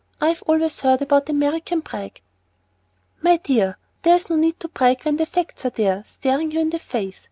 I've always heard about American brag " "My dear, there's no need to brag when the facts are there, staring you in the face.